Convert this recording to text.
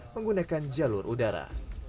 menggunakan jalur udara